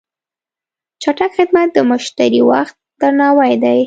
چټک خدمت د مشتری وخت درناوی دی.